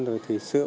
rồi thì sữa uống